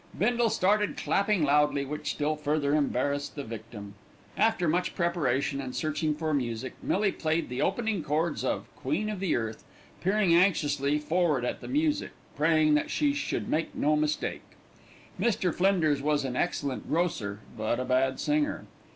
Bindle started clapping loudly, which still further embarrassed the victim. After much preparation and searching for music, Millie played the opening chords of "Queen of the Earth," peering anxiously forward at the music, praying that she should make no mistake. Mr. Flinders was an excellent grocer, but a bad singer.